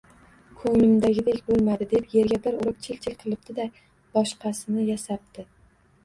Ko‘nglimdagidek bo‘lmadi, deb yerga bir urib chil-chil qilibdi-da, boshqasini yasabdi